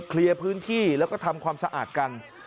เคลียร์พื้นที่แล้วก็ทำความสะอาดกัน